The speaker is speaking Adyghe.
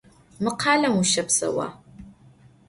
Mı khalem vuşepseua?